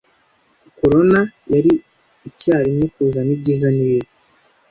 Corona yari icyarimwe kuzana ibyiza nibibi